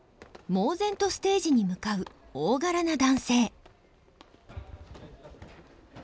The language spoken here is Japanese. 猛然とステージに向かう大柄な男性。